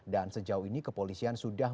dan sejauh ini kepolisian sudah